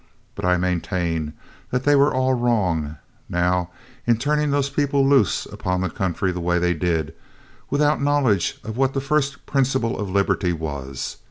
But I maintain that they were all wrong, now, in turning these people loose upon the country the way they did, without knowledge of what the first principle of liberty was.